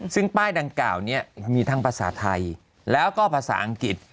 ซึ่งป้ายดังกล่าวนี้มีทั้งภาษาไทยแล้วก็ภาษาอังกฤษ